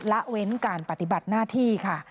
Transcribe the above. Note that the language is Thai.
ละเว้นการปฏิบัติหน้าที่ค่ะ